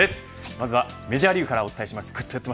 まずはメジャーリーグからお伝えします。